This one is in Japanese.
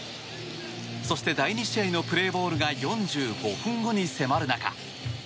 そして第２試合のプレーボールが４５分後に迫る中。